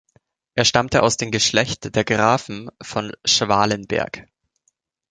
Er stammte aus dem Geschlecht der Grafen von Schwalenberg.